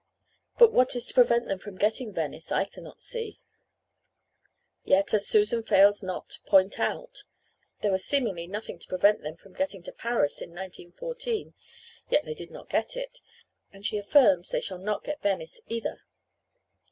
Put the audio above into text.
But what is to prevent them from getting Venice I cannot see. Yet, as Susan fails not to point out, there was seemingly nothing to prevent them from getting to Paris in 1914, yet they did not get it, and she affirms they shall not get Venice either.